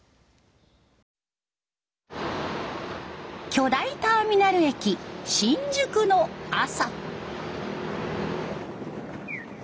巨大ターミナル駅新宿の朝。